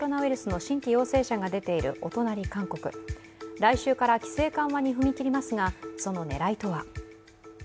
来週から規制緩和に踏み切りますが、その狙いとは。